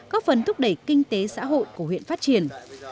có phần thúc đẩy kinh tế xã hội của huyện phát triển